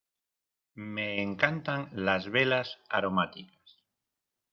Me encantan las velas aromáticas.